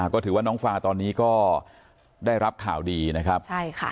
ก็ถือว่าน้องฟาตอนนี้ก็ได้รับข่าวดีนะครับใช่ค่ะ